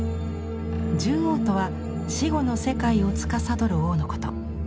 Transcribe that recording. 十王とは死後の世界をつかさどる王のこと。